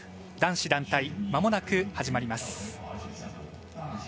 男子団体、まもなく始まります。